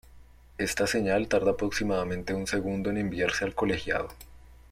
Esta señal tarda aproximadamente un segundo en enviarse al colegiado.